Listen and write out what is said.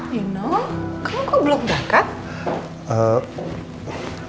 nino kamu kok belum dekat